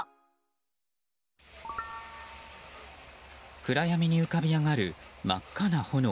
暗闇に浮かび上がる真っ赤な炎。